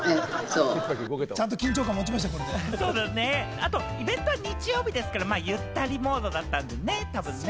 あとイベントが日曜日だったからゆったりモードだったんだね。